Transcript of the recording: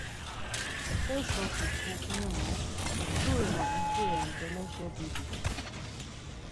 Xe soti uǩnimu, Şuri na idziren ǩeleşe bidli.